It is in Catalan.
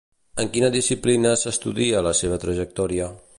En quina disciplina s'estudia la seva trajectòria?